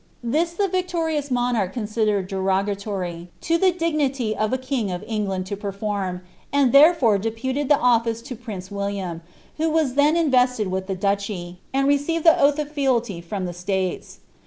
Tlui iht vicioriouB monarch considered derogatory to the dignity of a kinj of England to perform, and therefore deputed the office to prince Williaai, vrho was then invested with the duchy, and received the oath of ftalty from the stales.'